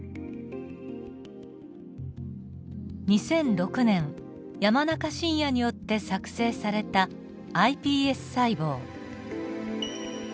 ２００６年山中伸弥によって作製されたｉＰＳ細胞。